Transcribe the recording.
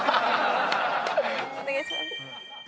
お願いします。